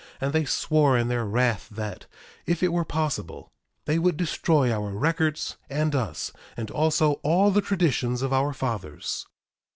And they swore in their wrath that, if it were possible, they would destroy our records and us, and also all the traditions of our fathers.